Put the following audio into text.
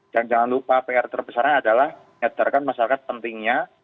dan jangan lupa pr terbesar adalah menyatakan masyarakat pentingnya